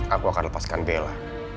aku akan lepaskan bella